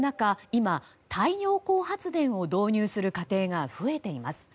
今、太陽光発電を導入する家庭が増えています。